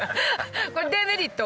これデメリット